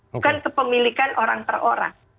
bukan kepemilikan orang per orang